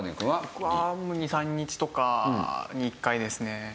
僕は２３日とかに１回ですね。